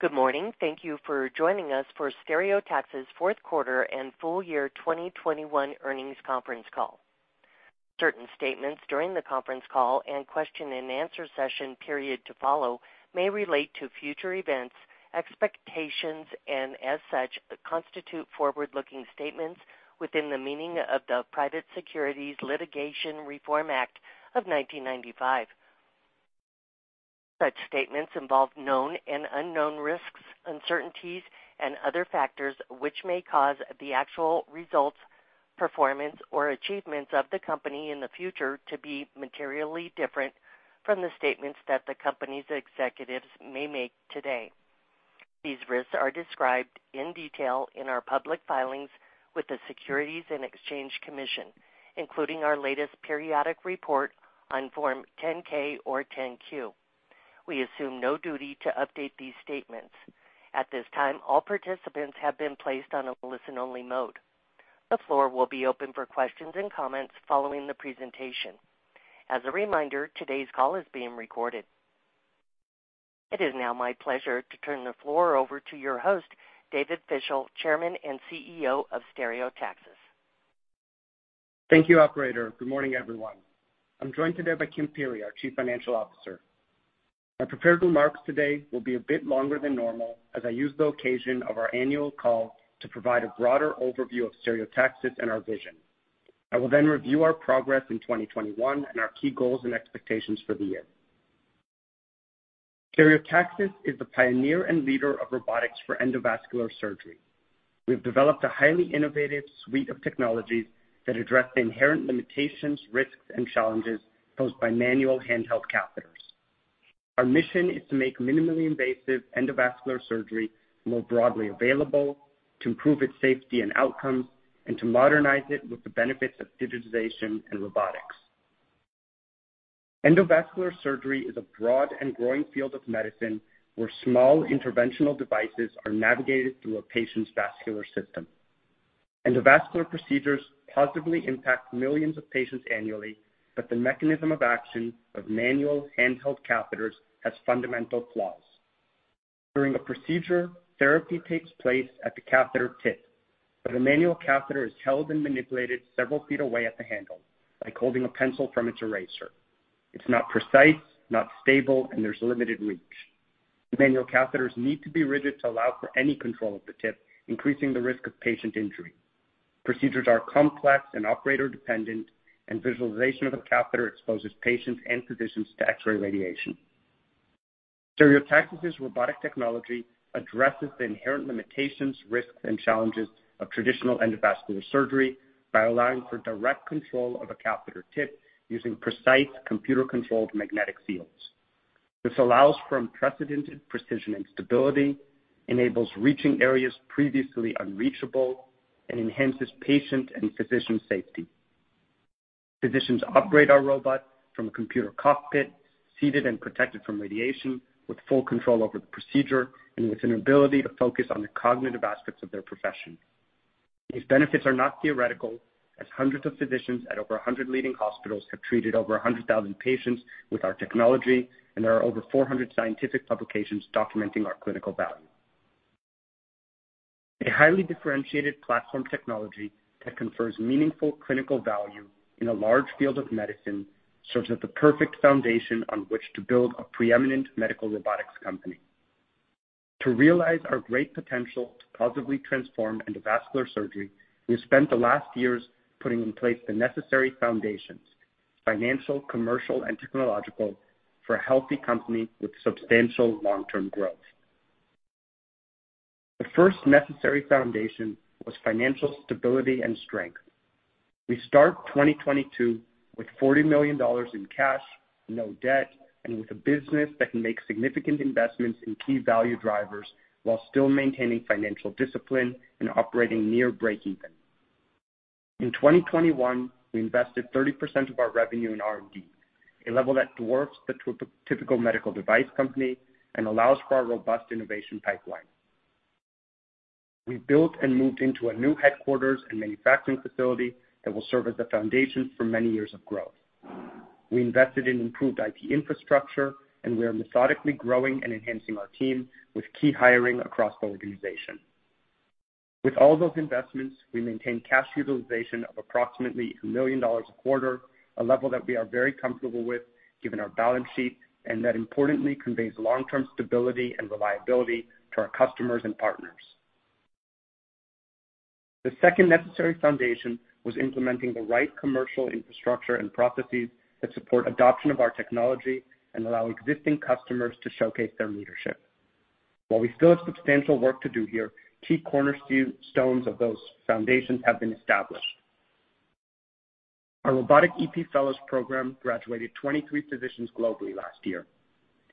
Good morning. Thank you for joining us for Stereotaxis fourth quarter and full year 2021 earnings conference call. Certain statements during the conference call and question-and-answer session period to follow may relate to future events, expectations, and as such, constitute forward-looking statements within the meaning of the Private Securities Litigation Reform Act of 1995. Such statements involve known and unknown risks, uncertainties, and other factors which may cause the actual results, performance, or achievements of the company in the future to be materially different from the statements that the company's executives may make today. These risks are described in detail in our public filings with the Securities and Exchange Commission, including our latest periodic report on Form 10-K or 10-Q. We assume no duty to update these statements. At this time, all participants have been placed on a listen-only mode. The floor will be open for questions and comments following the presentation. As a reminder, today's call is being recorded. It is now my pleasure to turn the floor over to your host, David Fischel, Chairman and CEO of Stereotaxis. Thank you, operator. Good morning, everyone. I'm joined today by Kim Peery, our Chief Financial Officer. My prepared remarks today will be a bit longer than normal as I use the occasion of our annual call to provide a broader overview of Stereotaxis and our vision. I will then review our progress in 2021 and our key goals and expectations for the year. Stereotaxis is the pioneer and leader of robotics for endovascular surgery. We've developed a highly innovative suite of technologies that address the inherent limitations, risks, and challenges posed by manual handheld catheters. Our mission is to make minimally invasive endovascular surgery more broadly available, to improve its safety and outcomes, and to modernize it with the benefits of digitization and robotics. Endovascular surgery is a broad and growing field of medicine where small interventional devices are navigated through a patient's vascular system. Endovascular procedures positively impact millions of patients annually, but the mechanism of action of manual handheld catheters has fundamental flaws. During a procedure, therapy takes place at the catheter tip, but a manual catheter is held and manipulated several feet away at the handle, like holding a pencil from its eraser. It's not precise, not stable, and there's limited reach. The manual catheters need to be rigid to allow for any control of the tip, increasing the risk of patient injury. Procedures are complex and operator-dependent, and visualization of the catheter exposes patients and physicians to X-ray radiation. Stereotaxis' robotic technology addresses the inherent limitations, risks, and challenges of traditional endovascular surgery by allowing for direct control of a catheter tip using precise computer-controlled magnetic fields. This allows for unprecedented precision and stability, enables reaching areas previously unreachable, and enhances patient and physician safety. Physicians operate our robot from a computer cockpit, seated and protected from radiation, with full control over the procedure and with an ability to focus on the cognitive aspects of their profession. These benefits are not theoretical as hundreds of physicians at over 100 leading hospitals have treated over 100,000 patients with our technology, and there are over 400 scientific publications documenting our clinical value. A highly differentiated platform technology that confers meaningful clinical value in a large field of medicine serves as the perfect foundation on which to build a preeminent medical robotics company. To realize our great potential to positively transform endovascular surgery, we've spent the last years putting in place the necessary foundations, financial, commercial, and technological, for a healthy company with substantial long-term growth. The first necessary foundation was financial stability and strength. We start 2022 with $40 million in cash, no debt, and with a business that can make significant investments in key value drivers while still maintaining financial discipline and operating near breakeven. In 2021, we invested 30% of our revenue in R&D, a level that dwarfs the typical medical device company and allows for our robust innovation pipeline. We built and moved into a new headquarters and manufacturing facility that will serve as the foundation for many years of growth. We invested in improved IT infrastructure, and we are methodically growing and enhancing our team with key hiring across the organization. With all those investments, we maintain cash utilization of approximately $1 million a quarter, a level that we are very comfortable with given our balance sheet, and that importantly conveys long-term stability and reliability to our customers and partners. The second necessary foundation was implementing the right commercial infrastructure and processes that support adoption of our technology and allow existing customers to showcase their leadership. While we still have substantial work to do here, key cornerstones of those foundations have been established. Our robotic EP fellows program graduated 23 physicians globally last year.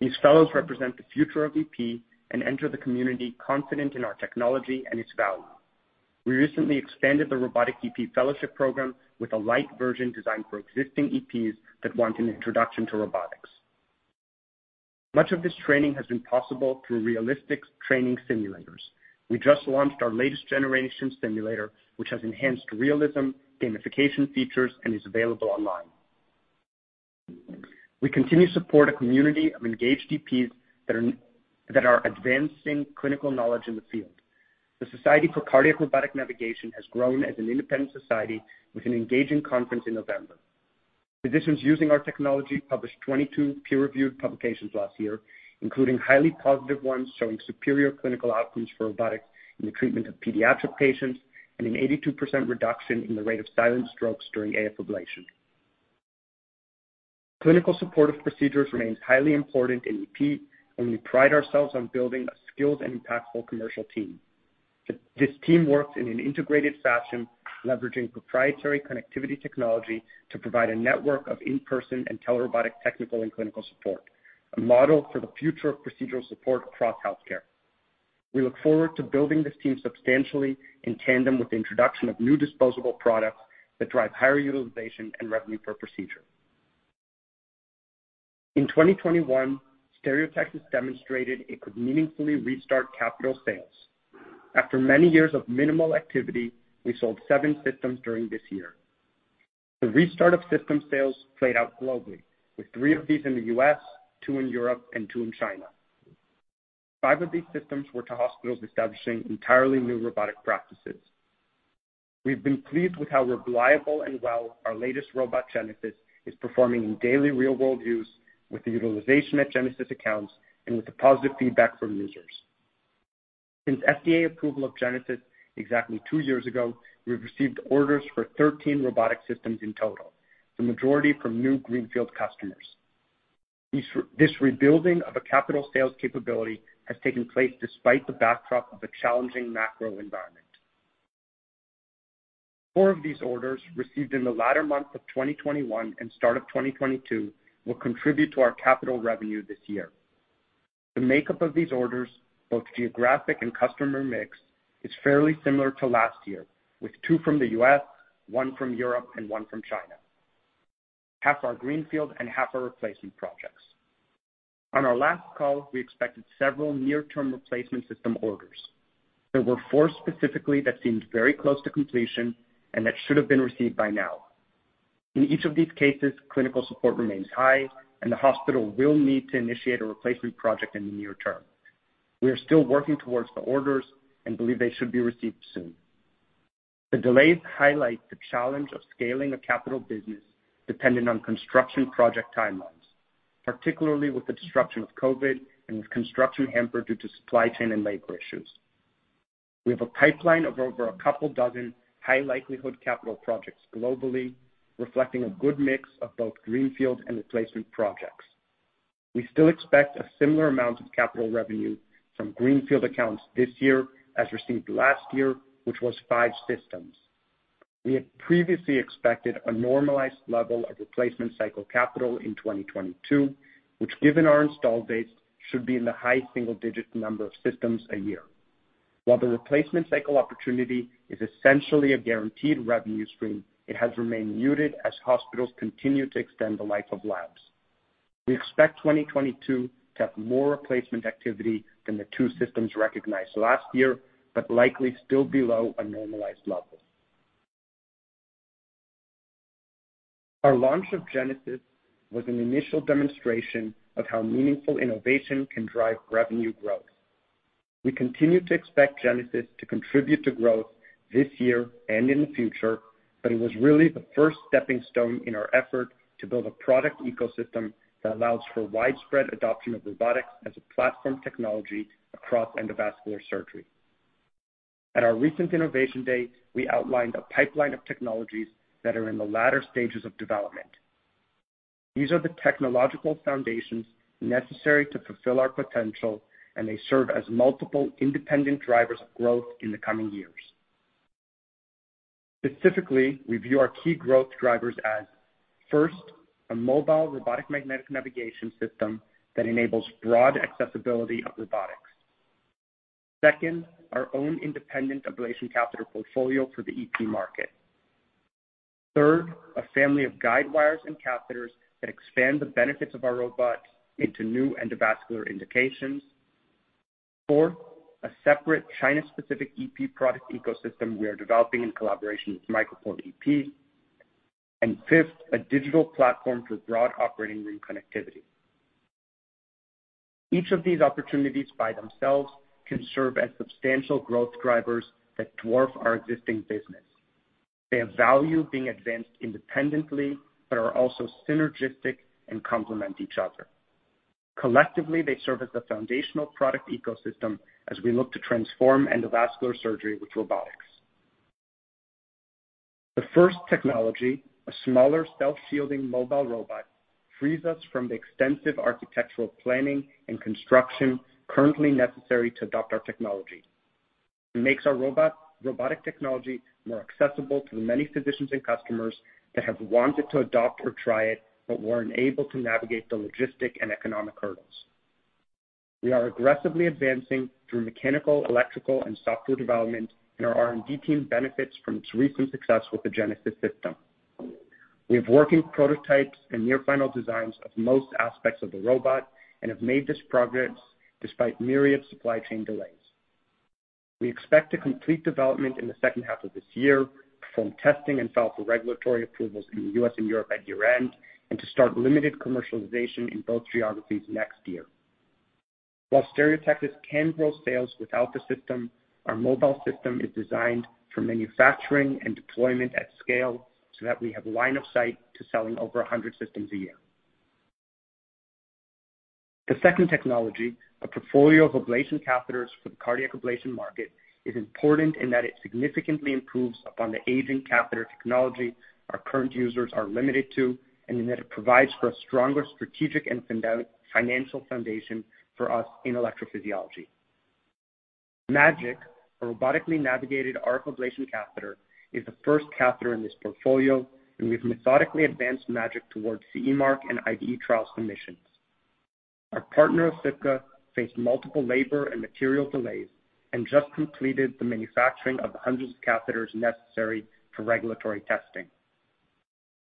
These fellows represent the future of EP and enter the community confident in our technology and its value. We recently expanded the robotic EP fellowship program with a lite version designed for existing EPs that want an introduction to robotics. Much of this training has been possible through realistic training simulators. We just launched our latest generation simulator, which has enhanced realism, gamification features, and is available online. We continue to support a community of engaged EPs that are advancing clinical knowledge in the field. The Society for Cardiac Robotic Navigation has grown as an independent society with an engaging conference in November. Physicians using our technology published 22 peer-reviewed publications last year, including highly positive ones showing superior clinical outcomes for robotic in the treatment of pediatric patients and an 82% reduction in the rate of silent strokes during AF ablation. Clinical support of procedures remains highly important in EP, and we pride ourselves on building a skilled and impactful commercial team. This team works in an integrated fashion, leveraging proprietary connectivity technology to provide a network of in-person and telerobotic technical and clinical support, a model for the future of procedural support across healthcare. We look forward to building this team substantially in tandem with the introduction of new disposable products that drive higher utilization and revenue per procedure. In 2021, Stereotaxis demonstrated it could meaningfully restart capital sales. After many years of minimal activity, we sold seven systems during this year. The restart of system sales played out globally, with three of these in the U.S., two in Europe, and two in China. Five of these systems were to hospitals establishing entirely new robotic practices. We've been pleased with how reliable and well our latest robot, Genesis, is performing in daily real-world use with the utilization at Genesis accounts and with the positive feedback from users. Since FDA approval of Genesis exactly two years ago, we've received orders for 13 robotic systems in total, the majority from new greenfield customers. This rebuilding of a capital sales capability has taken place despite the backdrop of a challenging macro environment. Four of these orders received in the latter month of 2021 and start of 2022 will contribute to our capital revenue this year. The makeup of these orders, both geographic and customer mix, is fairly similar to last year, with two from the U.S., one from Europe, and one from China. Half are greenfield and half are replacement projects. On our last call, we expected several near-term replacement system orders. There were four specifically that seemed very close to completion and that should have been received by now. In each of these cases, clinical support remains high, and the hospital will need to initiate a replacement project in the near term. We are still working towards the orders and believe they should be received soon. The delays highlight the challenge of scaling a capital business dependent on construction project timelines, particularly with the disruption of COVID and with construction hampered due to supply chain and labor issues. We have a pipeline of over a couple dozen high likelihood capital projects globally, reflecting a good mix of both greenfield and replacement projects. We still expect a similar amount of capital revenue from greenfield accounts this year as received last year, which was five systems. We had previously expected a normalized level of replacement cycle capital in 2022, which given our install base should be in the high single-digit number of systems a year. While the replacement cycle opportunity is essentially a guaranteed revenue stream, it has remained muted as hospitals continue to extend the life of labs. We expect 2022 to have more replacement activity than the two systems recognized last year, but likely still below a normalized level. Our launch of Genesis was an initial demonstration of how meaningful innovation can drive revenue growth. We continue to expect Genesis to contribute to growth this year and in the future, but it was really the first stepping stone in our effort to build a product ecosystem that allows for widespread adoption of robotics as a platform technology across endovascular surgery. At our recent innovation day, we outlined a pipeline of technologies that are in the latter stages of development. These are the technological foundations necessary to fulfill our potential, and they serve as multiple independent drivers of growth in the coming years. Specifically, we view our key growth drivers as, first, a mobile robotic magnetic navigation system that enables broad accessibility of robotics. Second, our own independent ablation catheter portfolio for the EP market. Third, a family of guide wires and catheters that expand the benefits of our robot into new endovascular indications. Fourth, a separate China-specific EP product ecosystem we are developing in collaboration with MicroPort EP. Fifth, a digital platform for broad operating room connectivity. Each of these opportunities by themselves can serve as substantial growth drivers that dwarf our existing business. They have value being advanced independently, but are also synergistic and complement each other. Collectively, they serve as the foundational product ecosystem as we look to transform endovascular surgery with robotics. The first technology, a smaller stealth shielding mobile robot, frees us from the extensive architectural planning and construction currently necessary to adopt our technology. It makes our robotic technology more accessible to the many physicians and customers that have wanted to adopt or try it, but weren't able to navigate the logistical and economic hurdles. We are aggressively advancing through mechanical, electrical, and software development, and our R&D team benefits from its recent success with the Genesis system. We have working prototypes and near final designs of most aspects of the robot and have made this progress despite myriad supply chain delays. We expect to complete development in the second half of this year from testing and file for regulatory approvals in the U.S. and Europe at year-end, and to start limited commercialization in both geographies next year. While Stereotaxis can grow sales without the system, our mobile system is designed for manufacturing and deployment at scale so that we have line of sight to selling over 100 systems a year. The second technology, a portfolio of ablation catheters for the cardiac ablation market, is important in that it significantly improves upon the aging catheter technology our current users are limited to, and in that it provides for a stronger strategic and foundational foundation for us in electrophysiology. MAGiC, a robotically navigated RF ablation catheter, is the first catheter in this portfolio, and we've methodically advanced MAGiC towards CE mark and IDE trial submissions. Our partner, Osypka, faced multiple labor and material delays and just completed the manufacturing of the hundreds of catheters necessary for regulatory testing.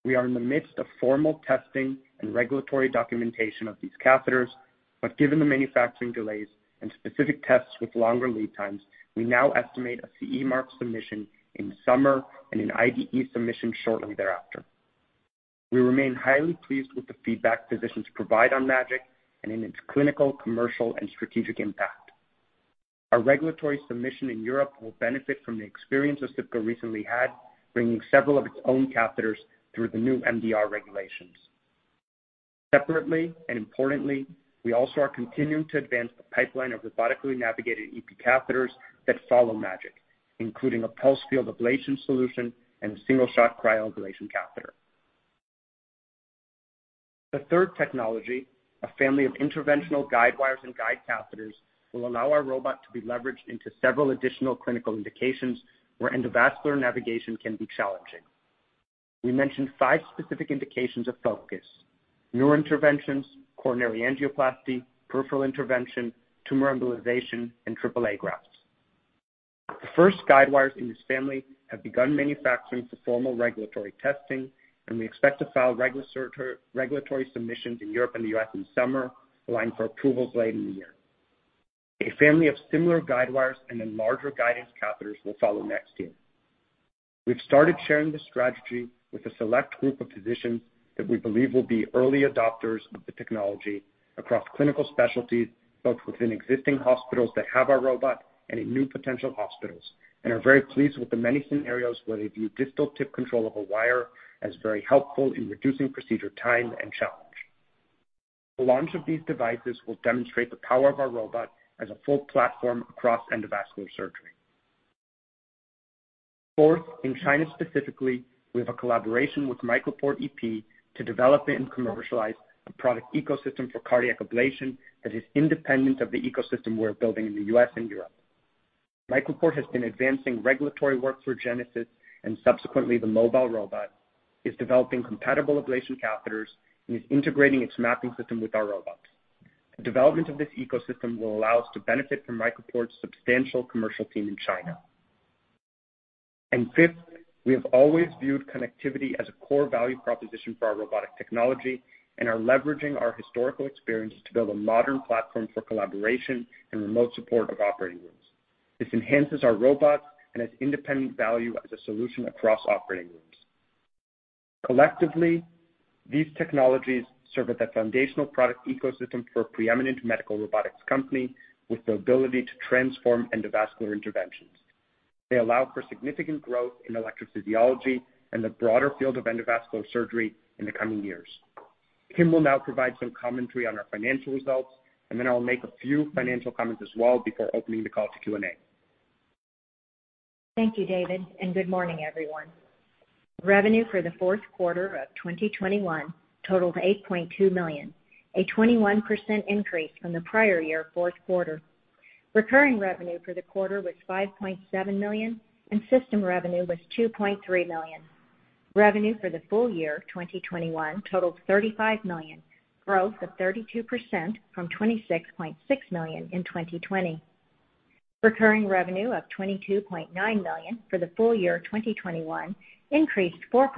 We are in the midst of formal testing and regulatory documentation of these catheters, but given the manufacturing delays and specific tests with longer lead times, we now estimate a CE mark submission in summer and an IDE submission shortly thereafter. We remain highly pleased with the feedback physicians provide on MAGiC and in its clinical, commercial, and strategic impact. Our regulatory submission in Europe will benefit from the experience Osypka recently had, bringing several of its own catheters through the new MDR regulations. Separately and importantly, we also are continuing to advance the pipeline of robotically navigated EP catheters that follow MAGiC, including a pulse field ablation solution and a single-shot cryoablation catheter. The third technology, a family of interventional guide wires and guide catheters, will allow our robot to be leveraged into several additional clinical indications where endovascular navigation can be challenging. We mentioned five specific indications of focus, neurointerventions, coronary angioplasty, peripheral intervention, tumor embolization, and AAA grafts. The first guide wires in this family have begun manufacturing for formal regulatory testing, and we expect to file regulatory submissions in Europe and the U.S. in summer, applying for approvals late in the year. A family of similar guide wires and then larger guidance catheters will follow next year. We've started sharing this strategy with a select group of physicians that we believe will be early adopters of the technology across clinical specialties, both within existing hospitals that have our robot and in new potential hospitals, and are very pleased with the many scenarios where they view distal tip control of a wire as very helpful in reducing procedure time and challenge. The launch of these devices will demonstrate the power of our robot as a full platform across endovascular surgery. Fourth, in China specifically, we have a collaboration with MicroPort EP to develop and commercialize a product ecosystem for cardiac ablation that is independent of the ecosystem we're building in the U.S. and Europe. MicroPort has been advancing regulatory work through Genesis and subsequently the mobile robot, is developing compatible ablation catheters, and is integrating its mapping system with our robot. The development of this ecosystem will allow us to benefit from MicroPort's substantial commercial team in China. Fifth, we have always viewed connectivity as a core value proposition for our robotic technology and are leveraging our historical experiences to build a modern platform for collaboration and remote support of operating rooms. This enhances our robots and has independent value as a solution across operating rooms. Collectively, these technologies serve as a foundational product ecosystem for a preeminent medical robotics company with the ability to transform endovascular interventions. They allow for significant growth in electrophysiology and the broader field of endovascular surgery in the coming years. Kim will now provide some commentary on our financial results, and then I'll make a few financial comments as well before opening the call to Q&A. Thank you, David, and good morning, everyone. Revenue for the fourth quarter of 2021 totaled $8.2 million, a 21% increase from the prior year fourth quarter. Recurring revenue for the quarter was $5.7 million, and system revenue was $2.3 million. Revenue for the full year of 2021 totaled $35 million, growth of 32% from $26.6 million in 2020. Recurring revenue of $22.9 million for the full year of 2021 increased 4%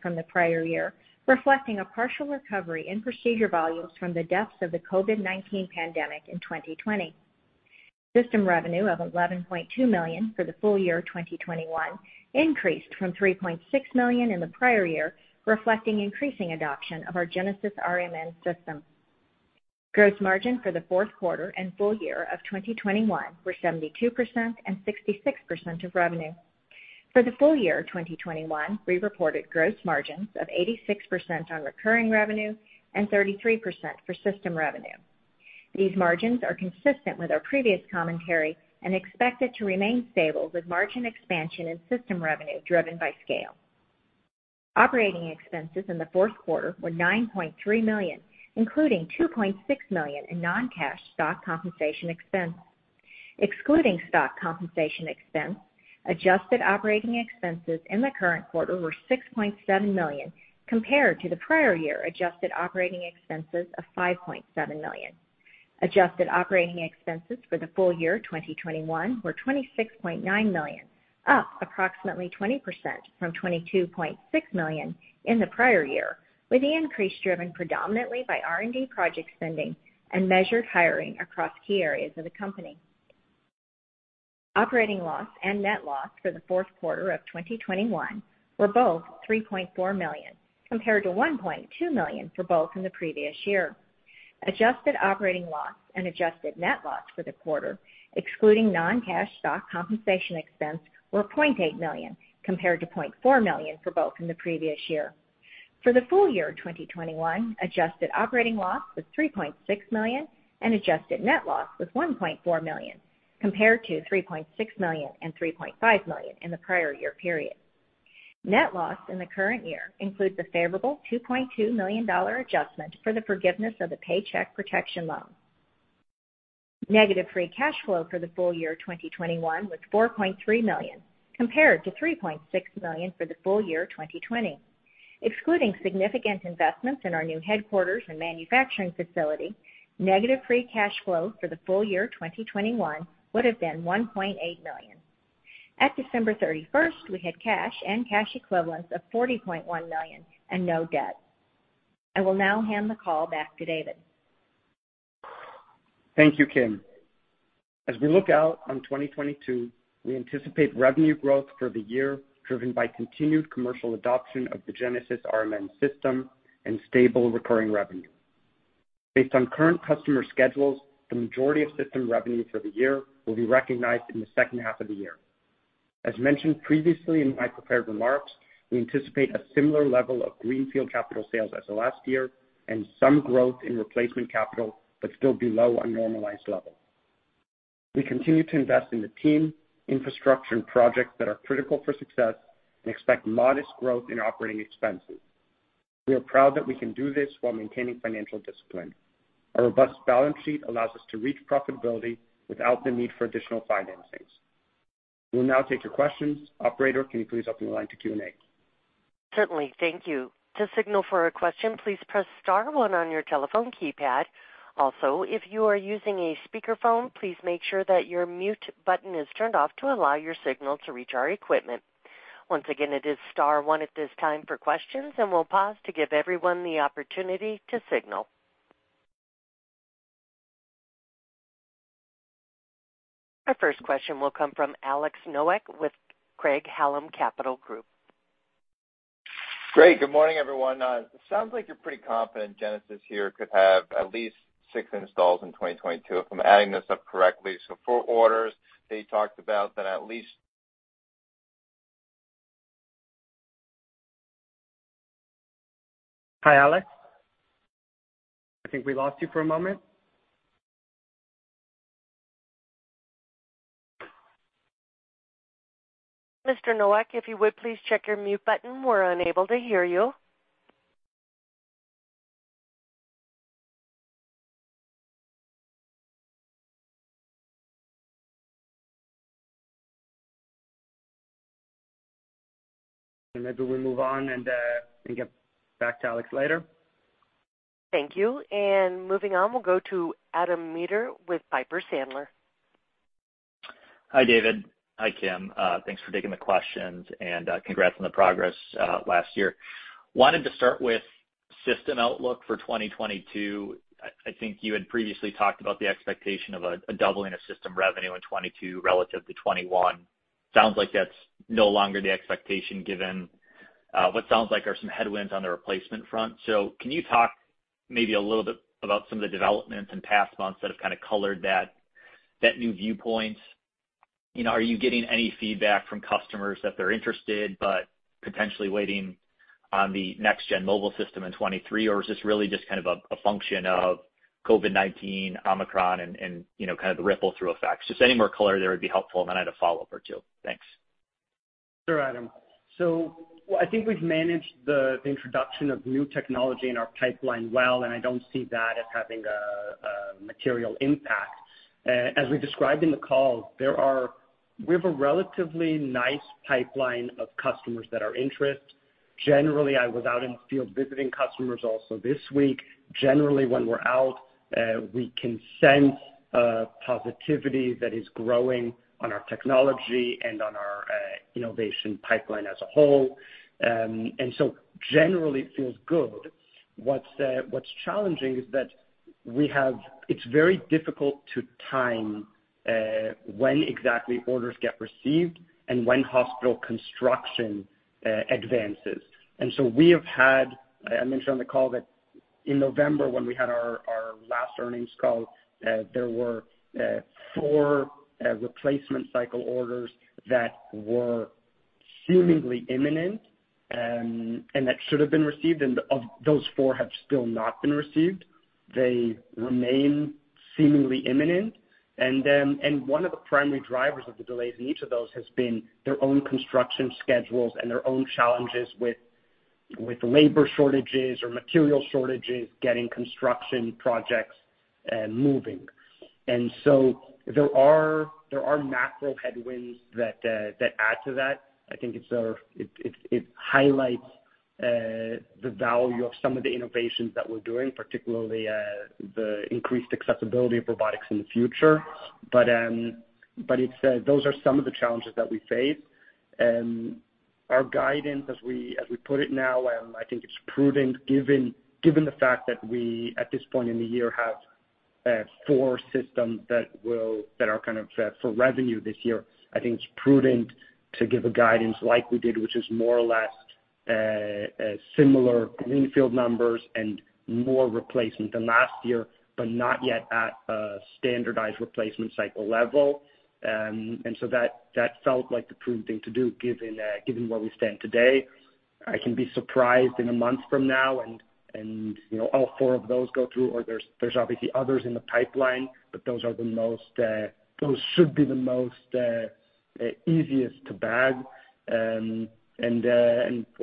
from the prior year, reflecting a partial recovery in procedure volumes from the depths of the COVID-19 pandemic in 2020. System revenue of $11.2 million for the full year of 2021 increased from $3.6 million in the prior year, reflecting increasing adoption of our Genesis RMN system. Gross margin for the fourth quarter and full year of 2021 were 72% and 66% of revenue. For the full year of 2021, we reported gross margins of 86% on recurring revenue and 33% for system revenue. These margins are consistent with our previous commentary and expected to remain stable, with margin expansion and system revenue driven by scale. Operating expenses in the fourth quarter were $9.3 million, including $2.6 million in non-cash stock compensation expense. Excluding stock compensation expense, adjusted operating expenses in the current quarter were $6.7 million, compared to the prior year adjusted operating expenses of $5.7 million. Adjusted operating expenses for the full year of 2021 were $26.9 million, up approximately 20% from $22.6 million in the prior year, with the increase driven predominantly by R&D project spending and measured hiring across key areas of the company. Operating loss and net loss for the fourth quarter of 2021 were both $3.4 million compared to $1.2 million for both in the previous year. Adjusted operating loss and adjusted net loss for the quarter, excluding non-cash stock compensation expense, were $0.8 million compared to $0.4 million for both in the previous year. For the full year of 2021, adjusted operating loss was $3.6 million and adjusted net loss was $1.4 million compared to $3.6 million and $3.5 million in the prior year period. Net loss in the current year includes a favorable $2.2 million adjustment for the forgiveness of the Paycheck Protection loan. Negative free cash flow for the full year 2021 was $4.3 million compared to $3.6 million for the full year of 2020. Excluding significant investments in our new headquarters and manufacturing facility, negative free cash flow for the full year 2021 would have been $1.8 million. At December 31, we had cash and cash equivalents of $40.1 million and no debt. I will now hand the call back to David. Thank you, Kim. As we look out on 2022, we anticipate revenue growth for the year driven by continued commercial adoption of the Genesis RMN system and stable recurring revenue. Based on current customer schedules, the majority of system revenue for the year will be recognized in the second half of the year. As mentioned previously in my prepared remarks, we anticipate a similar level of greenfield capital sales as the last year and some growth in replacement capital, but still below a normalized level. We continue to invest in the team, infrastructure, and projects that are critical for success and expect modest growth in operating expenses. We are proud that we can do this while maintaining financial discipline. Our robust balance sheet allows us to reach profitability without the need for additional financings. We'll now take your questions. Operator, can you please open the line to Q&A? Certainly. Thank you. To signal for a question, please press star one on your telephone keypad. Also, if you are using a speakerphone, please make sure that your mute button is turned off to allow your signal to reach our equipment. Once again, it is star one at this time for questions, and we'll pause to give everyone the opportunity to signal. Our first question will come from Alex Nowak with Craig-Hallum Capital Group. Great. Good morning, everyone. It sounds like you're pretty confident Genesis here could have at least six installs in 2022, if I'm adding this up correctly. Four orders that you talked about. Hi, Alex. I think we lost you for a moment. Mr. Fischel, if you would please check your mute button. We're unable to hear you. Maybe we move on and get back to Alex later. Thank you. Moving on, we'll go to Adam Maeder with Piper Sandler. Hi, David. Hi, Kim. Thanks for taking the questions, and congrats on the progress last year. I wanted to start with system outlook for 2022. I think you had previously talked about the expectation of a doubling of system revenue in 2022 relative to 2021. Sounds like that's no longer the expectation given what sounds like are some headwinds on the replacement front. Can you talk maybe a little bit about some of the developments in past months that have kinda colored that new viewpoint? You know, are you getting any feedback from customers that they're interested but potentially waiting on the next gen mobile system in 2023? Or is this really just kind of a function of COVID-19, Omicron and, you know, kind of the ripple through effects? Just any more color there would be helpful, and then I had a follow-up or two. Thanks. Sure, Adam. I think we've managed the introduction of new technology in our pipeline well, and I don't see that as having a material impact. As we described in the call, we have a relatively nice pipeline of customers that are interested. Generally, I was out in the field visiting customers also this week. Generally, when we're out, we can sense positivity that is growing in our technology and in our innovation pipeline as a whole. Generally it feels good. What's challenging is that we have, it's very difficult to time when exactly orders get received and when hospital construction advances. We have had. I mentioned on the call that in November when we had our last earnings call, there were four replacement cycle orders that were seemingly imminent, and that should have been received, and of those four have still not been received. They remain seemingly imminent. Then one of the primary drivers of the delays in each of those has been their own construction schedules and their own challenges with labor shortages or material shortages getting construction projects moving. There are macro headwinds that add to that. I think it highlights the value of some of the innovations that we're doing, particularly the increased accessibility of robotics in the future. But those are some of the challenges that we face. Our guidance as we put it now, I think it's prudent given the fact that we, at this point in the year, have four systems that are kind of for revenue this year. I think it's prudent to give a guidance like we did, which is more or less similar greenfield numbers and more replacement than last year, but not yet at a standardized replacement cycle level. That felt like the prudent thing to do given where we stand today. I can be surprised in a month from now and, you know, all four of those go through or there's obviously others in the pipeline, but those should be the most easiest to bag. We'll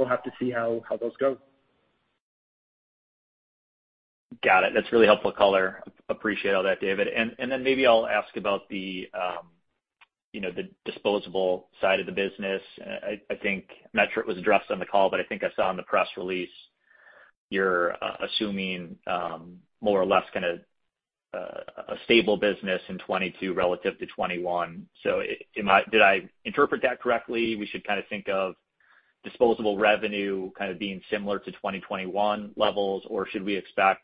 have to see how those go. Got it. That's really helpful color. Appreciate all that, David. Then maybe I'll ask about the, you know, the disposable side of the business. I think not sure it was addressed on the call, but I think I saw in the press release you're assuming, more or less kinda, a stable business in 2022 relative to 2021. So did I interpret that correctly? We should kinda think of disposable revenue kind of being similar to 2021 levels, or should we expect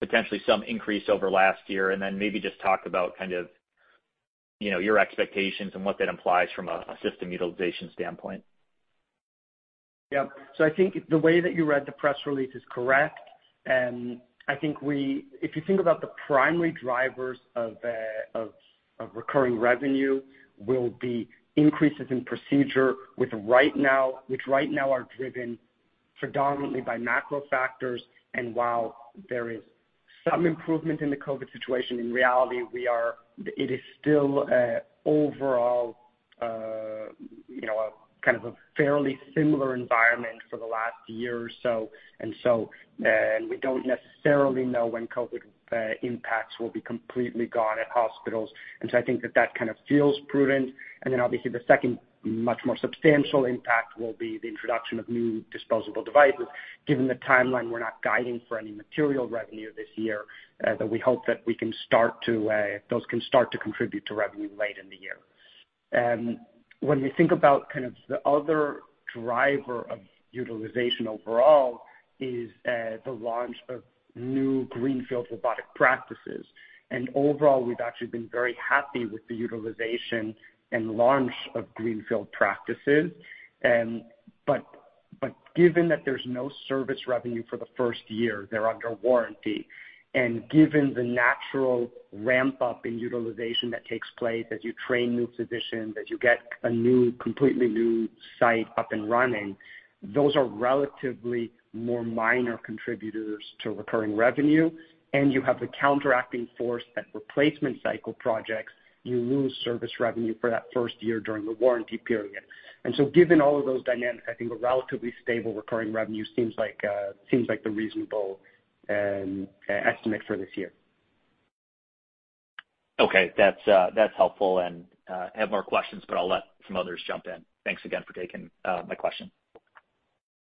potentially some increase over last year? Then maybe just talk about kind of, you know, your expectations and what that implies from a system utilization standpoint. Yeah. I think the way that you read the press release is correct. I think if you think about the primary drivers of recurring revenue will be increases in procedures right now-- which right now are driven predominantly by macro factors. While there is some improvement in the COVID situation, in reality, it is still overall, you know, a kind of a fairly similar environment for the last year or so and so. We don't necessarily know when COVID impacts will be completely gone at hospitals. I think that kind of feels prudent. Obviously the second much more substantial impact will be the introduction of new disposable devices. Given the timeline, we're not guiding for any material revenue this year, that we hope those can start to contribute to revenue late in the year. When you think about kind of the other driver of utilization overall is the launch of new greenfield robotic practices. Overall, we've actually been very happy with the utilization and launch of greenfield practices. But given that there's no service revenue for the first year, they're under warranty. Given the natural ramp-up in utilization that takes place as you train new physicians, as you get a new, completely new site up and running, those are relatively more minor contributors to recurring revenue, and you have the counteracting force at replacement cycle projects, you lose service revenue for that first year during the warranty period. Given all of those dynamics, I think a relatively stable recurring revenue seems like the reasonable estimate for this year. Okay. That's helpful. I have more questions, but I'll let some others jump in. Thanks again for taking my question.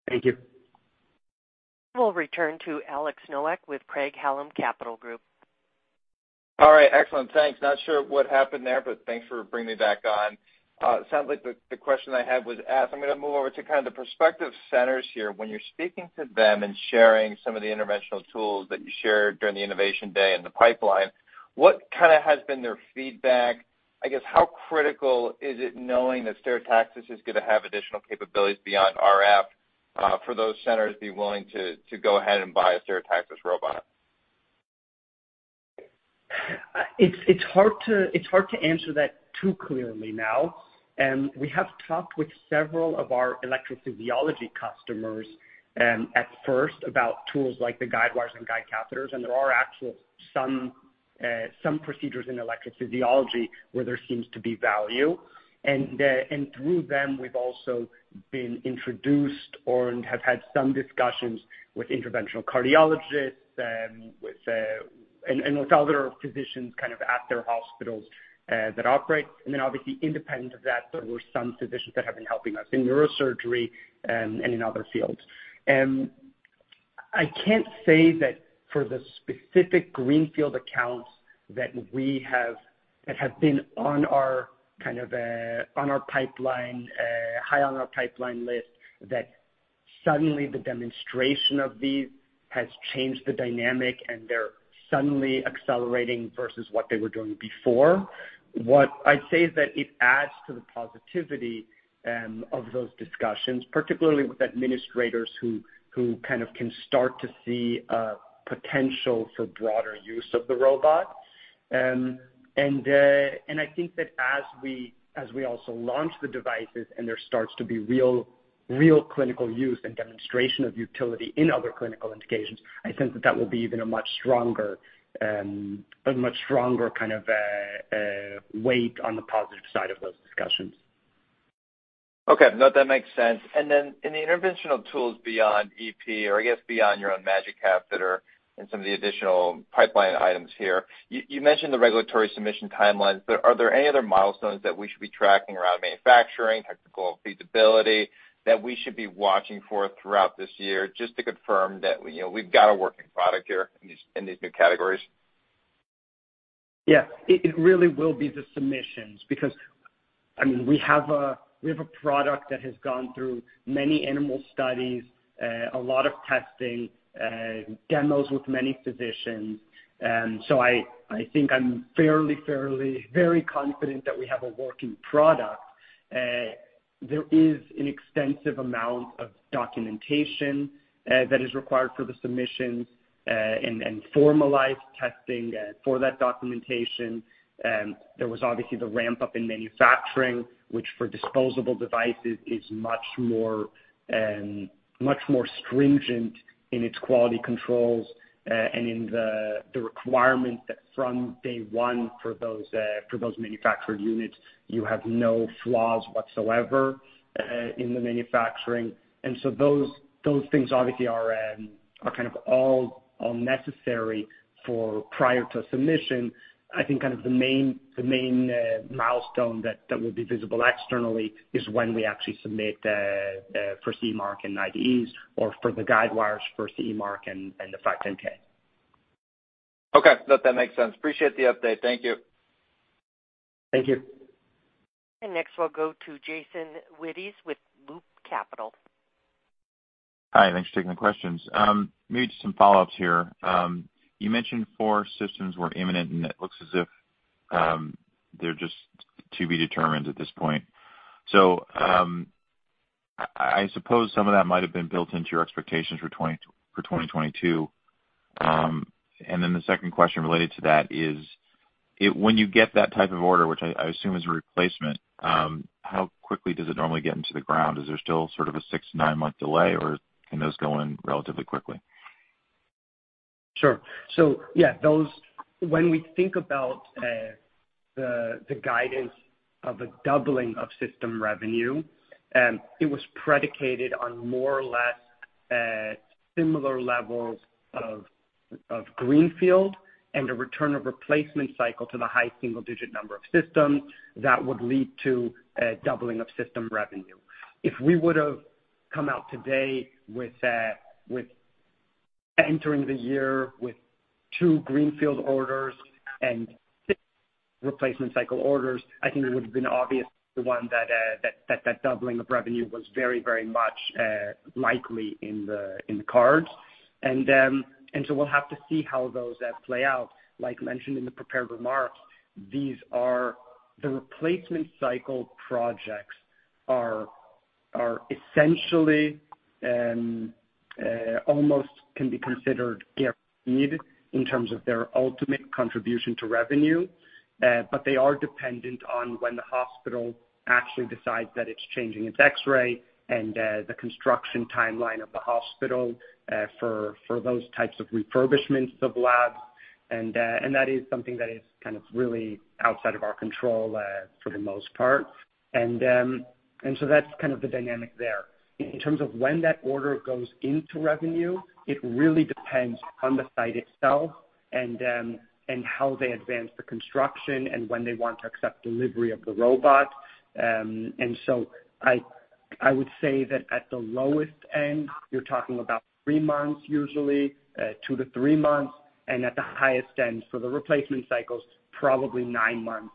Thank you. We'll return to Alex Nowak with Craig-Hallum Capital Group. All right. Excellent. Thanks. Not sure what happened there, but thanks for bringing me back on. It sounds like the question I had was asked. I'm gonna move over to kind of the prospective centers here. When you're speaking to them and sharing some of the interventional tools that you shared during the innovation day and the pipeline, what kinda has been their feedback? I guess, how critical is it knowing that Stereotaxis is gonna have additional capabilities beyond RF for those centers to be willing to go ahead and buy a Stereotaxis robot? It's hard to answer that too clearly now. We have talked with several of our electrophysiology customers at first about tools like the guide wires and guide catheters. There are actually some procedures in electrophysiology where there seems to be value. Through them, we've also been introduced and have had some discussions with interventional cardiologists, with other physicians kind of at their hospitals that operate. Obviously independent of that, there were some physicians that have been helping us in neurosurgery and in other fields. I can't say that for the specific greenfield accounts that have been on our, kind of, on our pipeline, high on our pipeline list, that suddenly the demonstration of these has changed the dynamic and they're suddenly accelerating versus what they were doing before. What I'd say is that it adds to the positivity of those discussions, particularly with administrators who kind of can start to see potential for broader use of the robot. I think that as we also launch the devices and there starts to be real clinical use and demonstration of utility in other clinical indications, I sense that will be even a much stronger weight on the positive side of those discussions. Okay. No, that makes sense. In the interventional tools beyond EP or I guess beyond your own MAGiC catheter and some of the additional pipeline items here, you mentioned the regulatory submission timelines, but are there any other milestones that we should be tracking around manufacturing, technical feasibility that we should be watching for throughout this year just to confirm that, you know, we've got a working product here in these new categories? Yeah. It really will be the submissions because, I mean, we have a product that has gone through many animal studies, a lot of testing, demos with many physicians. So I think I'm fairly very confident that we have a working product. There is an extensive amount of documentation that is required for the submissions, and formalized testing for that documentation. There was obviously the ramp-up in manufacturing, which for disposable devices is much more stringent in its quality controls, and in the requirement that from day one for those manufactured units, you have no flaws whatsoever in the manufacturing. Those things obviously are kind of all necessary for prior to submission. I think kind of the main milestone that will be visible externally is when we actually submit for CE mark and IDEs or for the GuideWires for CE mark and the 510(k). Okay. No, that makes sense. Appreciate the update. Thank you. Thank you. Next we'll go to Jason Wittes with Loop Capital. Hi, thanks for taking the questions. Maybe just some follow-ups here. You mentioned four systems were imminent, and it looks as if they're just to be determined at this point. I suppose some of that might have been built into your expectations for 2022. The second question related to that is when you get that type of order, which I assume is a replacement, how quickly does it normally get into the ground? Is there still sort of a six- to nine-month delay, or can those go in relatively quickly? Sure. When we think about the guidance of a doubling of system revenue, it was predicated on more or less similar levels of greenfield and a return of replacement cycle to the high single-digit number of systems that would lead to a doubling of system revenue. If we would have come out today with entering the year with two greenfield orders and six replacement cycle orders, I think it would have been obvious to one that that doubling of revenue was very much likely in the cards. We'll have to see how those play out. Like mentioned in the prepared remarks, these are the replacement cycle projects are essentially almost can be considered guaranteed in terms of their ultimate contribution to revenue. They are dependent on when the hospital actually decides that it's changing its X-ray and the construction timeline of the hospital for those types of refurbishments of labs. That is something that is kind of really outside of our control for the most part. That's kind of the dynamic there. In terms of when that order goes into revenue, it really depends on the site itself and how they advance the construction and when they want to accept delivery of the robot. I would say that at the lowest end, you're talking about three months usually, 2-3 months. At the highest end for the replacement cycles, probably nine months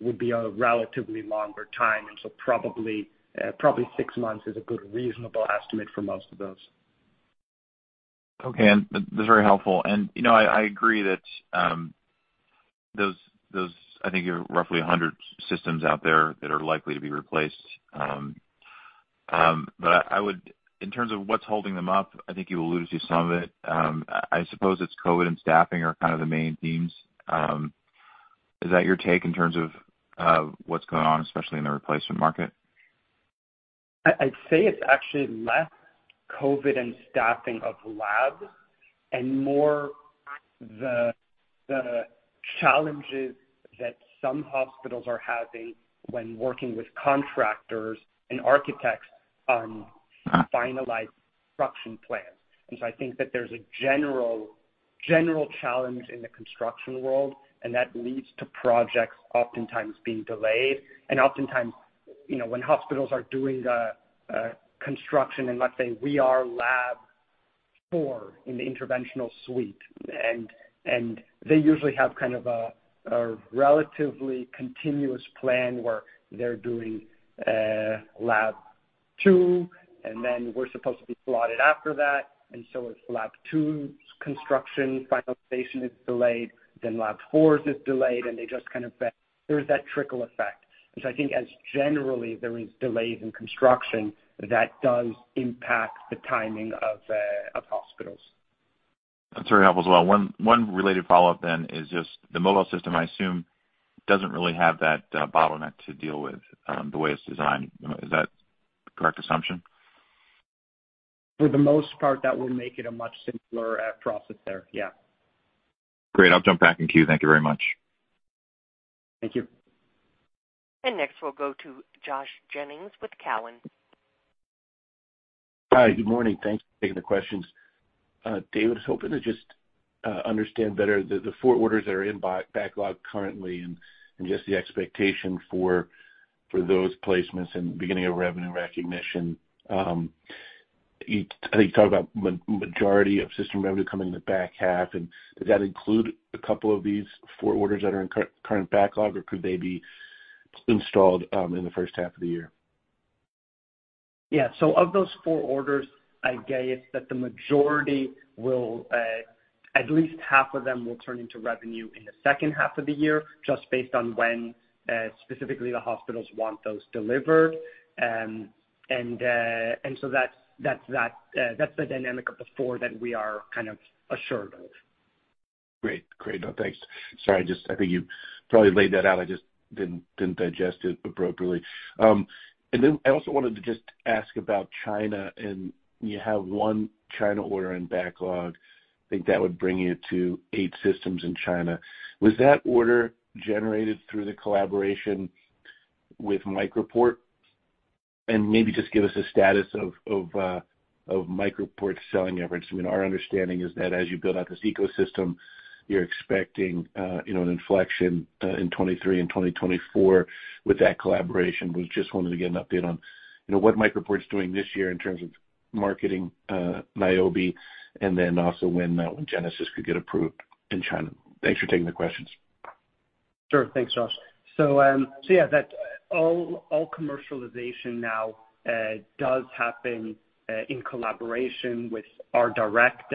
would be a relatively longer time. Probably six months is a good reasonable estimate for most of those. Okay. That's very helpful. I agree that I think you're roughly 100 systems out there that are likely to be replaced. In terms of what's holding them up, I think you allude to some of it. I suppose it's COVID and staffing are kind of the main themes. Is that your take in terms of what's going on, especially in the replacement market? I'd say it's actually less COVID and staffing of labs and more the challenges that some hospitals are having when working with contractors and architects on finalized construction plans. I think that there's a general challenge in the construction world, and that leads to projects oftentimes being delayed. Oftentimes, you know, when hospitals are doing construction in, let's say, we are lab 4 in the interventional suite, and they usually have kind of a relatively continuous plan where they're doing lab 2, and then we're supposed to be slotted after that. If lab 2's construction finalization is delayed, then lab 4's is delayed, and they just kind of, there's that trickle effect. I think as generally there is delays in construction, that does impact the timing of hospitals. That's very helpful as well. One related follow-up then is just the mobile system I assume doesn't really have that bottleneck to deal with, the way it's designed. You know, is that a correct assumption? For the most part, that will make it a much simpler process there, yeah. Great. I'll jump back in queue. Thank you very much. Thank you. Next, we'll go to Josh Jennings with Cowen. Hi, good morning. Thanks for taking the questions. David, I was hoping to just understand better the four orders that are in backlog currently and just the expectation for those placements and beginning of revenue recognition. I think you talked about majority of system revenue coming in the back half, and does that include a couple of these four orders that are in current backlog, or could they be installed in the first half of the year? Yeah. Of those four orders, I'd say it's that the majority will at least half of them will turn into revenue in the second half of the year, just based on when specifically the hospitals want those delivered. That's that. That's the dynamic of the four that we are kind of assured of. Great. Great. No, thanks. Sorry, just I think you probably laid that out. I just didn't digest it appropriately. And then I also wanted to just ask about China, and you have one China order in backlog. I think that would bring you to eight systems in China. Was that order generated through the collaboration with MicroPort? And maybe just give us a status of MicroPort's selling efforts. I mean, our understanding is that as you build out this ecosystem, you're expecting you know, an inflection in 2023 and in 2024 with that collaboration. We just wanted to get an update on you know, what MicroPort's doing this year in terms of marketing Niobe, and then also when Genesis could get approved in China. Thanks for taking the questions. Sure. Thanks, Josh. Yeah, that all commercialization now does happen in collaboration with our direct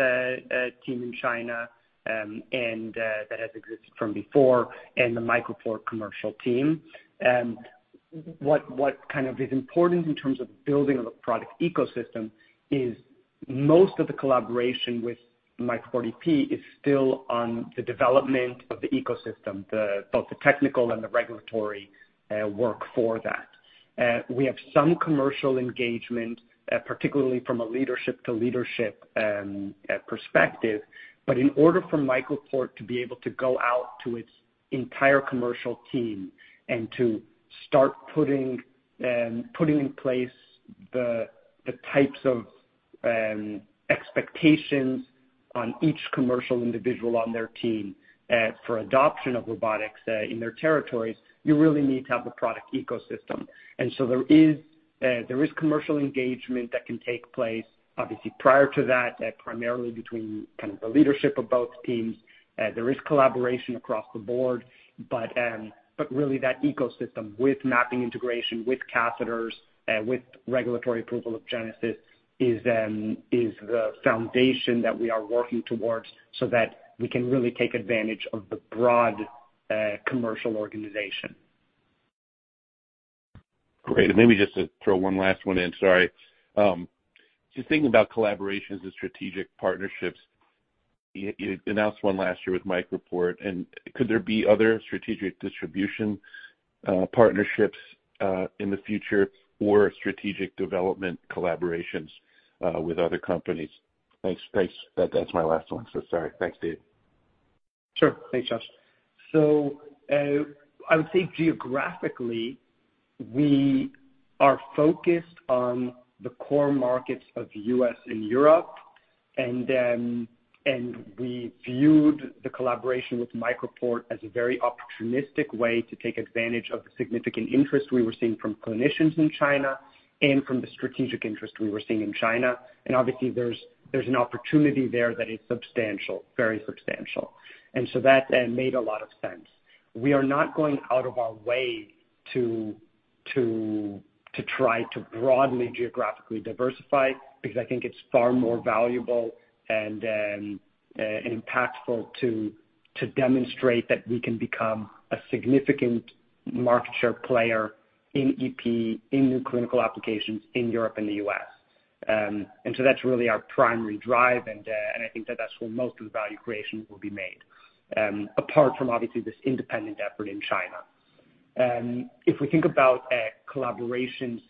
team in China, and that has existed from before, and the MicroPort commercial team. What is important in terms of building the product ecosystem is most of the collaboration with MicroPort EP is still on the development of the ecosystem, both the technical and the regulatory work for that. We have some commercial engagement, particularly from a leadership to leadership perspective. In order for MicroPort to be able to go out to its entire commercial team and to start putting in place the types of expectations on each commercial individual on their team, for adoption of robotics, in their territories, you really need to have a product ecosystem. There is commercial engagement that can take place, obviously, prior to that, primarily between kind of the leadership of both teams. There is collaboration across the board, but really that ecosystem with mapping integration, with catheters, with regulatory approval of Genesis is the foundation that we are working towards so that we can really take advantage of the broad commercial organization. Great. Maybe just to throw one last one in. Sorry. Just thinking about collaborations and strategic partnerships, you announced one last year with MicroPort, and could there be other strategic distribution partnerships in the future or strategic development collaborations with other companies? Thanks. That's my last one. Sorry. Thanks, David. Sure. Thanks, Josh. I would say geographically, we are focused on the core markets of U.S. and Europe, and we viewed the collaboration with MicroPort as a very opportunistic way to take advantage of the significant interest we were seeing from clinicians in China and from the strategic interest we were seeing in China. Obviously there's an opportunity there that is substantial, very substantial. That made a lot of sense. We are not going out of our way to try to broadly geographically diversify because I think it's far more valuable and impactful to demonstrate that we can become a significant market share player in EP, in new clinical applications in Europe and the U.S. That's really our primary drive. I think that's where most of the value creation will be made, apart from obviously this independent effort in China. If we think about collaborations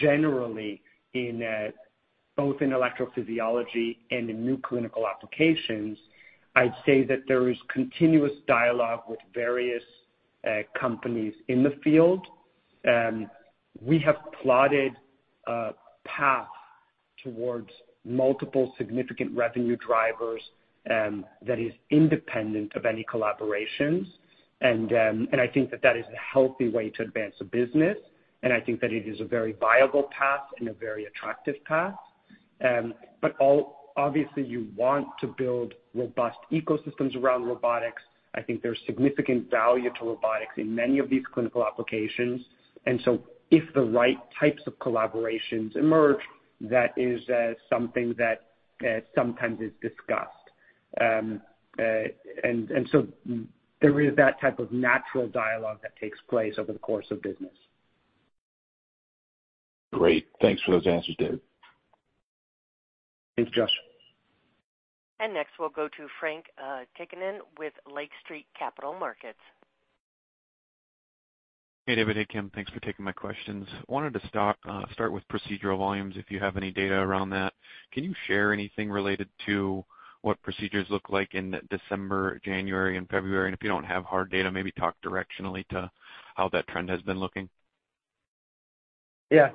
generally in both electrophysiology and new clinical applications, I'd say that there is continuous dialogue with various companies in the field. We have plotted a path towards multiple significant revenue drivers that is independent of any collaborations. I think that is a healthy way to advance a business, and I think that it is a very viable path and a very attractive path. Obviously you want to build robust ecosystems around robotics. I think there's significant value to robotics in many of these clinical applications. If the right types of collaborations emerge, that is something that sometimes is discussed. there is that type of natural dialogue that takes place over the course of business. Great. Thanks for those answers, David. Thanks, Josh. Next, we'll go to Frank Takkinen with Lake Street Capital Markets. Hey, David. Hey, Kim. Thanks for taking my questions. Wanted to start with procedural volumes, if you have any data around that. Can you share anything related to what procedures look like in December, January, and February? If you don't have hard data, maybe talk directionally to how that trend has been looking. Yeah.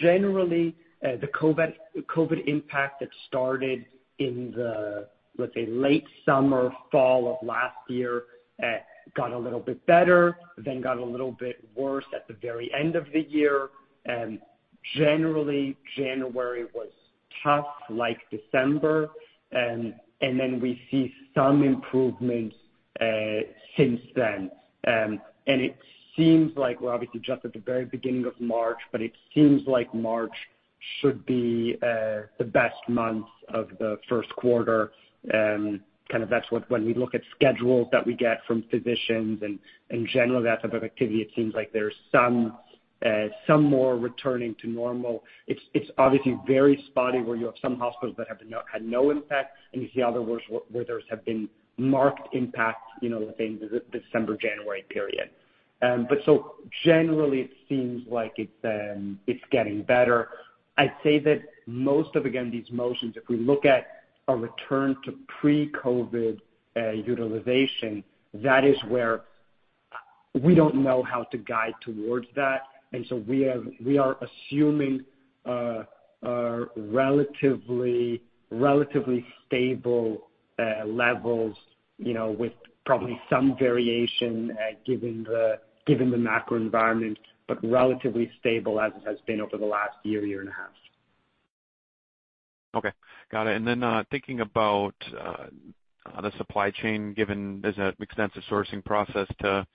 Generally, the COVID impact that started in the, let's say, late summer, fall of last year, got a little bit better, then got a little bit worse at the very end of the year. Generally, January was tough like December, and then we see some improvements since then. It seems like we're obviously just at the very beginning of March, but it seems like March should be the best month of the first quarter. When we look at schedules that we get from physicians and general, that type of activity, it seems like there's some more returning to normal. It's obviously very spotty where you have some hospitals that have no impact, and you see other where there have been marked impact, you know, within the December-January period. Generally it seems like it's getting better. I'd say that most of, again, these motions, if we look at a return to pre-COVID utilization, that is where we don't know how to guide towards that. We are assuming a relatively stable levels, you know, with probably some variation, given the macro environment, but relatively stable as it has been over the last year and a half. Okay. Got it. Then, thinking about the supply chain, given there's an extensive sourcing process to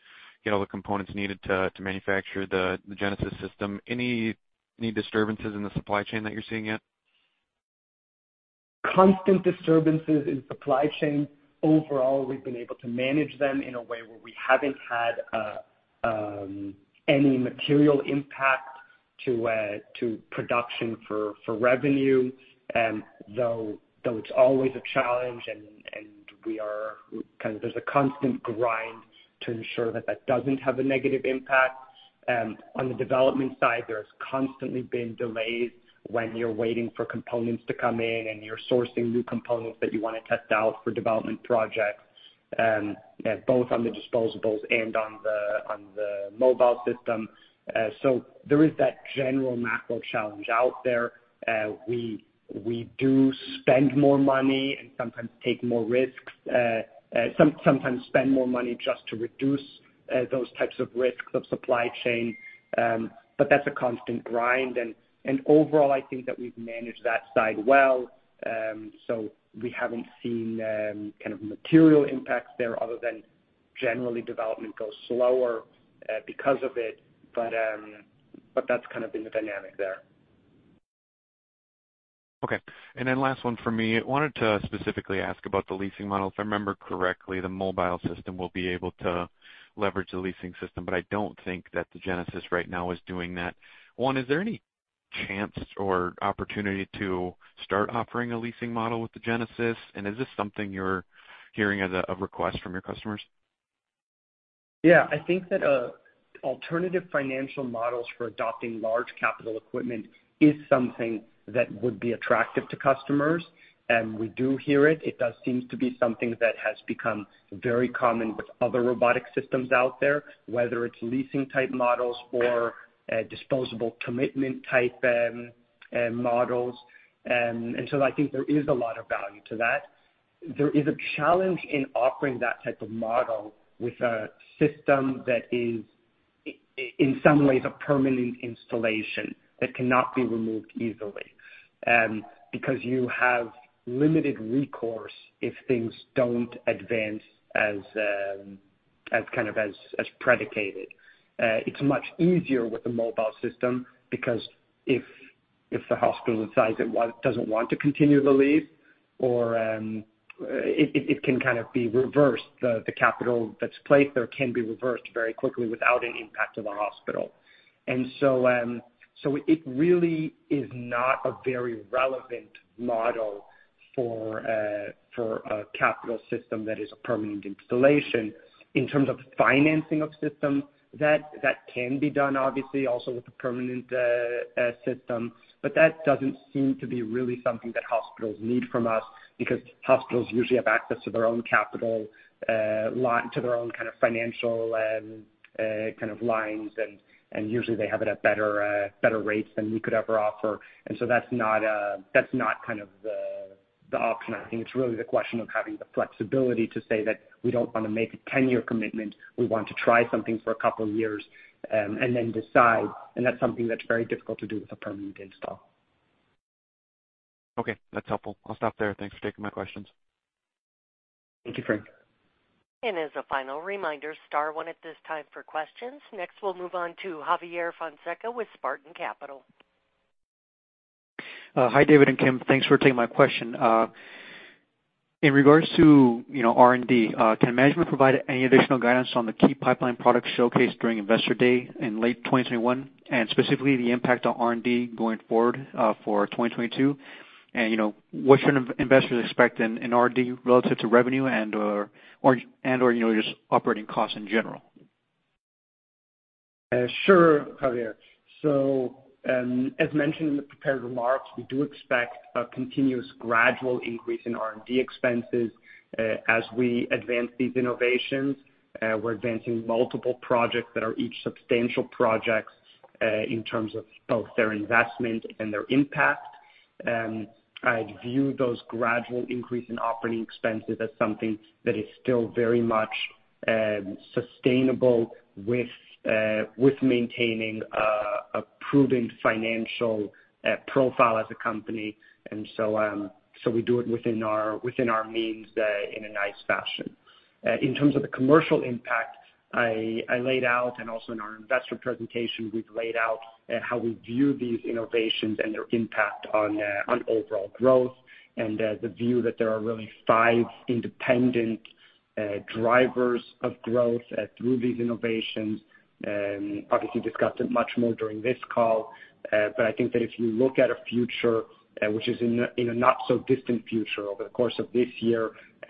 get all the components needed to manufacture the Genesis system, any disturbances in the supply chain that you're seeing yet? Constant disturbances in supply chain. Overall, we've been able to manage them in a way where we haven't had any material impact to production for revenue. Though it's always a challenge and there's a constant grind to ensure that doesn't have a negative impact. On the development side, there's constantly been delays when you're waiting for components to come in and you're sourcing new components that you wanna test out for development projects, both on the disposables and on the mobile system. So there is that general macro challenge out there. We do spend more money and sometimes take more risks, sometimes spend more money just to reduce those types of risks of supply chain. But that's a constant grind. Overall I think that we've managed that side well. We haven't seen kind of material impacts there other than generally development goes slower because of it. That's kind of been the dynamic there. Okay. Last one for me. Wanted to specifically ask about the leasing models. If I remember correctly, the mobile system will be able to leverage the leasing system, but I don't think that the Genesis right now is doing that. One, is there any chance or opportunity to start offering a leasing model with the Genesis? And is this something you're hearing as a request from your customers? Yeah. I think that, alternative financial models for adopting large capital equipment is something that would be attractive to customers, and we do hear it. It does seem to be something that has become very common with other robotic systems out there, whether it's leasing type models or, disposable commitment type, models. I think there is a lot of value to that. There is a challenge in offering that type of model with a system that is in some ways a permanent installation that cannot be removed easily, because you have limited recourse if things don't advance as kind of predicated. It's much easier with the mobile system because if the hospital decides it doesn't want to continue the lease or, it can kind of be reversed. The capital that's placed there can be reversed very quickly without any impact to the hospital. It really is not a very relevant model for a capital system that is a permanent installation. In terms of financing of system, that can be done obviously also with a permanent system. That doesn't seem to be really something that hospitals need from us because hospitals usually have access to their own capital to their own kind of financial kind of lines and usually they have it at better rates than we could ever offer. That's not kind of the option. I think it's really the question of having the flexibility to say that we don't wanna make a 10-year commitment. We want to try something for a couple of years and then decide, and that's something that's very difficult to do with a permanent install. Okay. That's helpful. I'll stop there. Thanks for taking my questions Thank you, Frank. As a final reminder, star one at this time for questions. Next, we'll move on to Javier Fonseca with Spartan Capital. Hi, David and Kim. Thanks for taking my question. In regards to, you know, R&D, can management provide any additional guidance on the key pipeline products showcased during Investor Day in late 2021, and specifically the impact on R&D going forward, for 2022? You know, what should investors expect in R&D relative to revenue and/or, you know, just operating costs in general? Sure, Javier. As mentioned in the prepared remarks, we do expect a continuous gradual increase in R&D expenses, as we advance these innovations. We're advancing multiple projects that are each substantial projects, in terms of both their investment and their impact. I'd view those gradual increase in operating expenses as something that is still very much sustainable with maintaining a proven financial profile as a company. We do it within our means, in a nice fashion. In terms of the commercial impact, I laid out and also in our investor presentation, we've laid out how we view these innovations and their impact on overall growth and the view that there are really five independent drivers of growth through these innovations. Obviously discussed it much more during this call. I think that if you look at a future, which is in a not so distant future over the course of this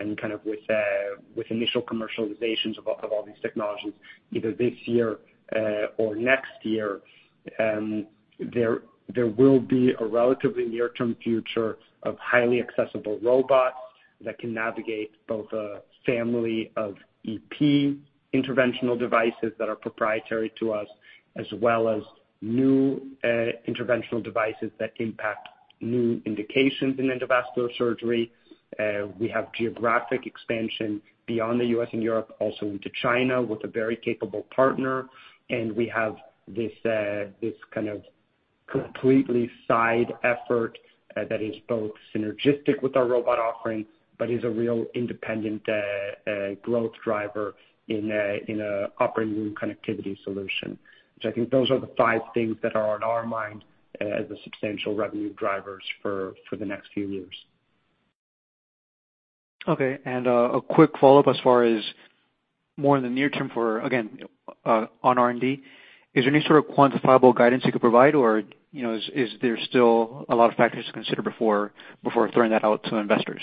year and kind of with initial commercializations of all these technologies, either this year or next year, there will be a relatively near-term future of highly accessible robots that can navigate both a family of EP interventional devices that are proprietary to us, as well as new interventional devices that impact new indications in endovascular surgery. We have geographic expansion beyond the U.S. and Europe, also into China with a very capable partner. We have this kind of completely side effort that is both synergistic with our robot offering, but is a real independent growth driver in a operating room connectivity solution. Which I think those are the five things that are on our mind as the substantial revenue drivers for the next few years. Okay. A quick follow-up as far as more in the near term for, again, on R&D. Is there any sort of quantifiable guidance you could provide? Or, you know, is there still a lot of factors to consider before throwing that out to investors?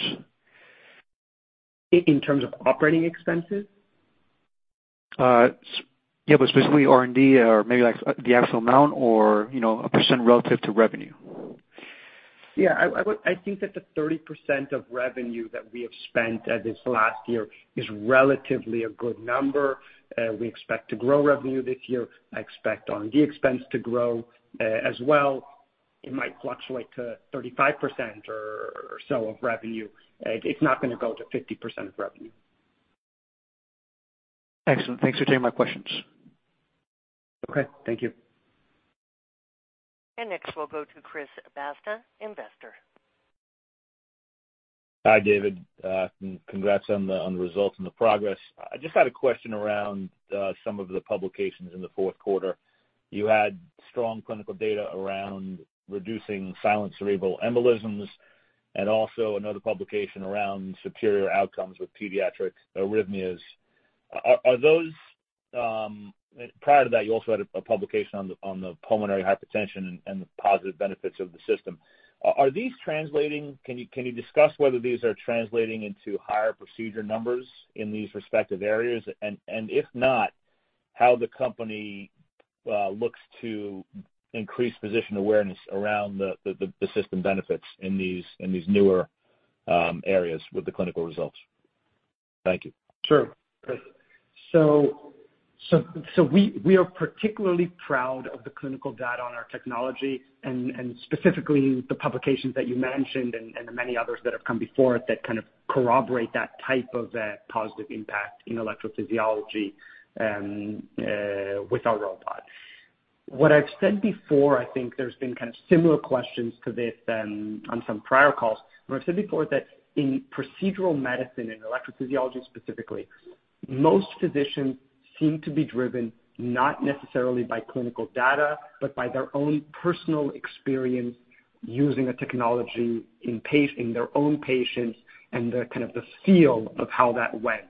In terms of operating expenses? Specifically R&D or maybe like the actual amount or, you know, a percentage relative to revenue. I would think that the 30% of revenue that we have spent this last year is relatively a good number. We expect to grow revenue this year. I expect R&D expense to grow as well. It might fluctuate to 35% or so of revenue. It's not gonna go to 50% of revenue. Excellent. Thanks for taking my questions. Okay. Thank you. Next we'll go to Chris Basta, Investor. Hi, David. Congrats on the results and the progress. I just had a question around some of the publications in the fourth quarter. You had strong clinical data around reducing silent cerebral embolisms and also another publication around superior outcomes with pediatric arrhythmias. Are those... Prior to that you also had a publication on the pulmonary hypertension and the positive benefits of the system. Are these translating? Can you discuss whether these are translating into higher procedure numbers in these respective areas? If not, how the company looks to increase physician awareness around the system benefits in these newer areas with the clinical results? Thank you. Sure, Chris. We are particularly proud of the clinical data on our technology and specifically the publications that you mentioned and the many others that have come before it that kind of corroborate that type of positive impact in electrophysiology with our robot. What I've said before, I think there's been kind of similar questions to this on some prior calls, and I've said before that in procedural medicine and electrophysiology specifically, most physicians seem to be driven not necessarily by clinical data, but by their own personal experience using a technology in their own patients and the kind of feel of how that went.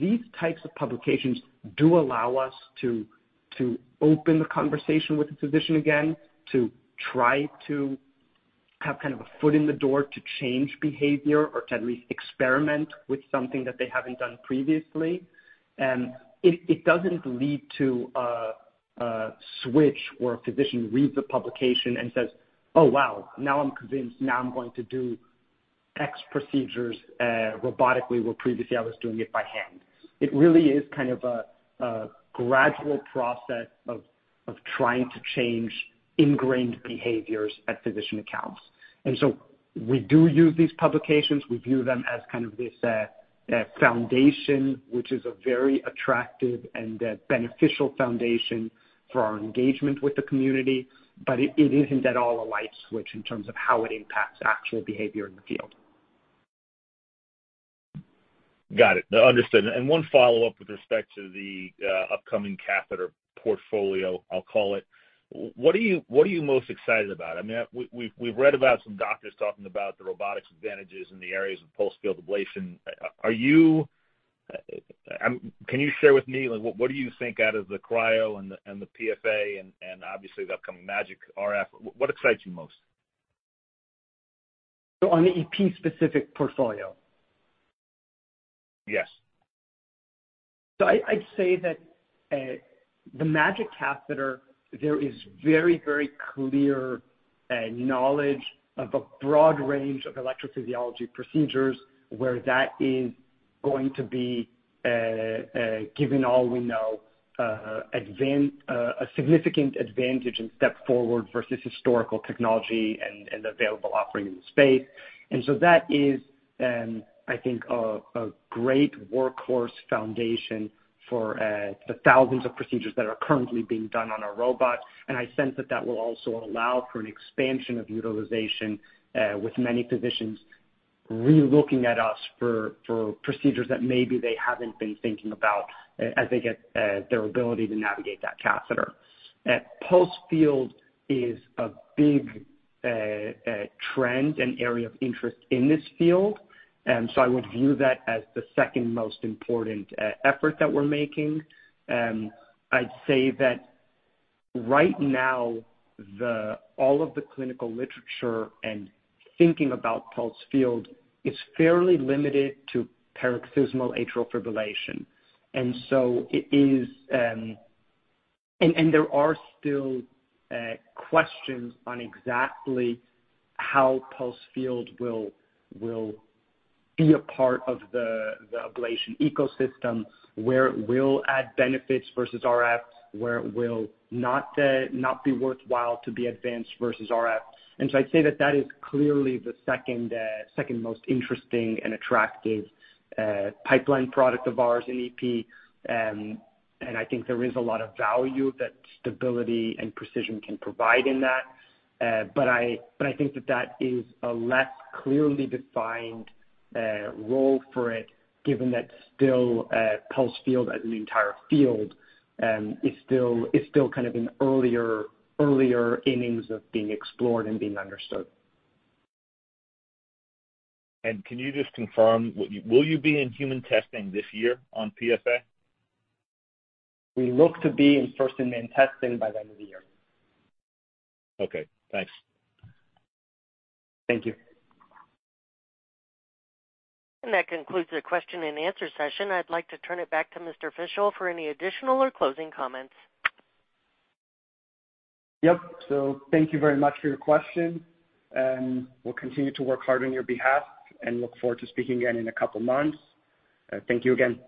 These types of publications do allow us to open the conversation with the physician again, to try to have kind of a foot in the door to change behavior or to at least experiment with something that they haven't done previously. It doesn't lead to a switch where a physician reads a publication and says, "Oh, wow, now I'm convinced. Now I'm going to do X procedures robotically, where previously I was doing it by hand." It really is kind of a gradual process of trying to change ingrained behaviors at physician accounts. We do use these publications. We view them as kind of this foundation, which is a very attractive and beneficial foundation for our engagement with the community. It isn't at all a light switch in terms of how it impacts actual behavior in the field. Got it. No, understood. One follow-up with respect to the upcoming catheter portfolio, I'll call it. What are you most excited about? I mean, we've read about some doctors talking about the robotics advantages in the areas of pulsed field ablation. Are you? Can you share with me, like what do you think out of the cryo and the PFA and obviously the upcoming MAGiC RF? What excites you most? On the EP specific portfolio? Yes. I'd say that the MAGiC catheter, there is very clear knowledge of a broad range of electrophysiology procedures where that is going to be, given all we know, a significant advantage and step forward versus historical technology and available offering in the space. That is, I think, a great workhorse foundation for the thousands of procedures that are currently being done on our robot. I sense that that will also allow for an expansion of utilization with many physicians re-looking at us for procedures that maybe they haven't been thinking about as they get their ability to navigate that catheter. Pulsed field is a big trend and area of interest in this field. I would view that as the second most important effort that we're making. I'd say that right now all of the clinical literature and thinking about pulsed field is fairly limited to paroxysmal atrial fibrillation. There are still questions on exactly how pulsed field will be a part of the ablation ecosystem, where it will add benefits versus RF, where it will not be worthwhile to be advanced versus RF. I'd say that is clearly the second most interesting and attractive pipeline product of ours in EP. I think there is a lot of value that stability and precision can provide in that. I think that is a less clearly defined role for it, given that still, pulsed field as an entire field, is still kind of in earlier innings of being explored and being understood. Can you just confirm, will you be in human testing this year on PFA? We look to be in first human testing by the end of the year. Okay, thanks. Thank you. That concludes the question and answer session. I'd like to turn it back to Mr. Fischel for any additional or closing comments. Yep. Thank you very much for your question, and we'll continue to work hard on your behalf and look forward to speaking again in a couple months. Thank you again.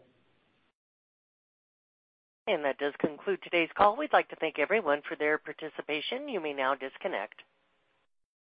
That does conclude today's call. We'd like to thank everyone for their participation. You may now disconnect.